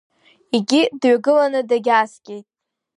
Егьи дҩагыланы дагьааскьеит.